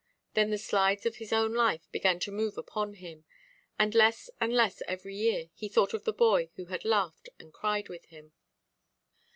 Then the slides of his own life began to move upon him; and less and less every year he thought of the boy who had laughed and cried with him.